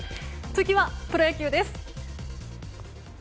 次はプロ野球です。